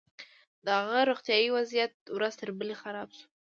د هغه روغتيايي وضعيت ورځ تر بلې خراب شو.